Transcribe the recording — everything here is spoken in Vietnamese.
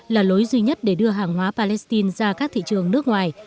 là lối duy nhất để đưa hàng hóa palestine ra các thị trường nước ngoài